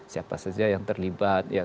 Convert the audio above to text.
siapa saja yang terlibat